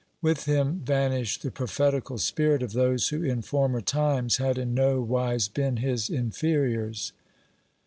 With him vanished the prophetical spirit of those who in former times had in no wise been his inferiors.